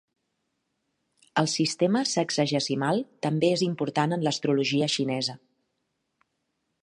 El sistema sexagesimal també és important en l'astrologia xinesa.